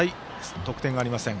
得点はありません。